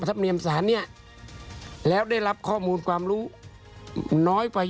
ก็ไม่เป็นไร